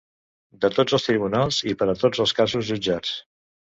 De tots els tribunals i per a tots els casos jutjats.